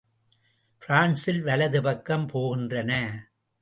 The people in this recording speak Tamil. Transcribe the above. பிரான்சில் வலது பக்கம் போகின்றன.